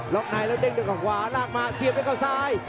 ล็อกนายแล้วเด้งด้วยขวาลากมาเสียดด้วยเขาซ้าย